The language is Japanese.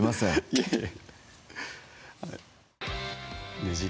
いえいえ